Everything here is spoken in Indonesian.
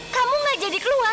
kamu nggak jadi keluar